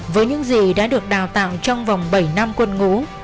với những gì đã được đào tạo trong vòng bảy năm quân ngũ